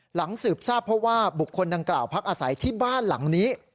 หลังสืบทราบเพราะว่าบุคคลดังกล่าวพักอาศัยที่บ้านหลังนี้